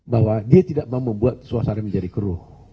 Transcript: bahwa dia tidak mau membuat suasana menjadi keruh